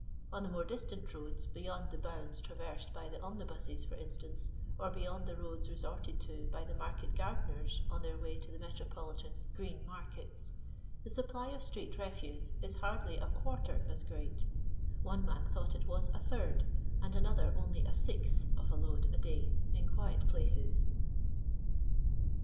On the more distant roads, beyond the bounds traversed by the omnibuses for instance, or beyond the roads resorted to by the market gardeners on their way to the metro politan " green " markets, the supply of street re fuse is hardljra quarter as great ; one man thought it was a thml, and another only a sixth of a load a day in quiet places.